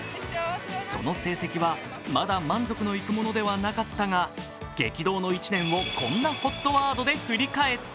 その成績はまだ満足のいくものではなかったが、激動の１年をこんなＨＯＴワードで振り返った。